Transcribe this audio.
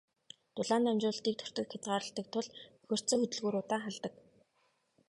Дулаан дамжуулалтыг тортог хязгаарладаг тул бохирдсон хөдөлгүүр удаан халдаг.